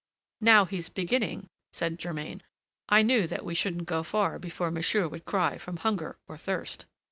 "Now he's beginning," said Germain. "I knew that we shouldn't go far before monsieur would cry from hunger or thirst."